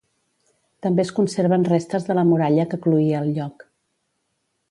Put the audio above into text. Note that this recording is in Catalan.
També es conserven restes de la muralla que cloïa el lloc.